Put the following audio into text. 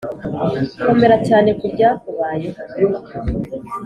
komera cyane kubyakubayeho